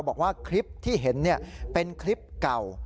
บอกว่าคลิปที่เห็นเป็นคลิปเก่า